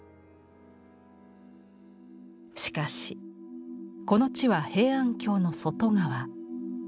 しかしこの地は平安京の外側。